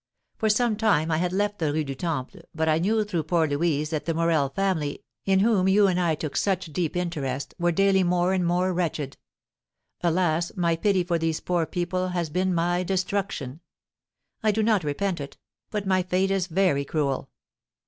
For some time I had left the Rue du Temple, but I knew through poor Louise that the Morel family, in whom you and I took such deep interest, were daily more and more wretched. Alas, my pity for these poor people has been my destruction! I do not repent it, but my fate is very cruel.